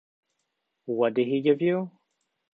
What did he give you?